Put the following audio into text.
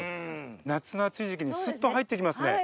夏の暑い時期にスッと入って来ますね。